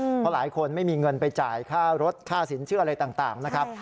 เพราะหลายคนไม่มีเงินไปจ่ายค่ารถค่าสินเชื่ออะไรต่างนะครับ